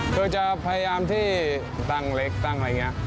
คือจะพยายามที่ตั้งเล็กตั้งอะไรอย่างนี้